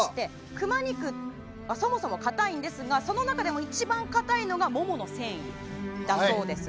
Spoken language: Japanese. クマ肉はそもそもかたいんですがその中でも一番かたいのがモモの繊維だそうです。